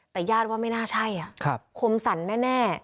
แต่ญาติว่าไม่น่าใช่คมสั่นแน่